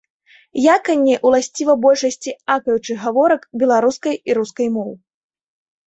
Яканне ўласціва большасці акаючых гаворак беларускай і рускай моў.